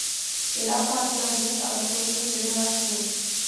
Il appartient donc à la seconde génération.